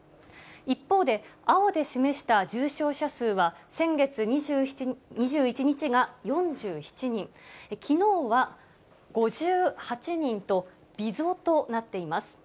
一方で、青で示した重症者数は、先月２１日が４７人、きのうは５８人と、微増となっています。